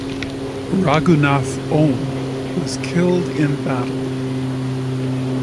Raghunath Om was killed in battle.